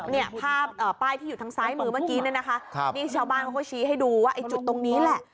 เนี่ยภาพป้ายที่อยู่ทางซ้ายมือเมื่อกี้เนี่ยนะคะครับนี่ชาวบ้านเขาก็ชี้ให้ดูว่าไอ้จุดตรงนี้แหละ